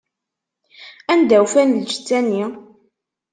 Anda ufan lǧetta-nni?